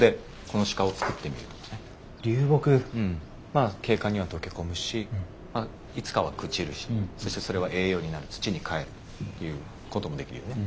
まあ景観には溶け込むしいつかは朽ちるしそしてそれは栄養になる土に返るっていうこともできるよね。